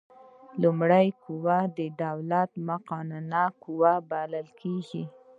لومړۍ قوه د دولت مقننه قوه بلل کیږي.